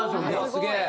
すげえ！